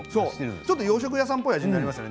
ちょっと洋食屋さんの味になりますよね。